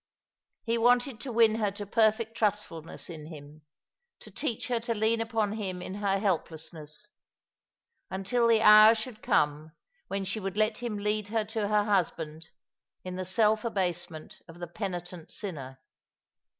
He wanted to win her to perfect trustfulness in him, to teach her to lean upon him in her helplessness; until the hour should come when she would let him lead her to her husband, in the self abasement of the penitent sinner.